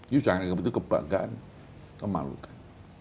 you jangan lupa itu kebanggaan memalukan